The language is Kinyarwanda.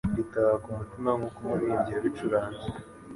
ritaha ku mutima nk'uko umuririmbyi yabicuranze.